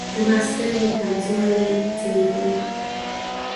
زما سترګي کمزوري سوي دی.